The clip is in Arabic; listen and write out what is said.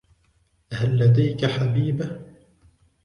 هل لديك حبيبة ؟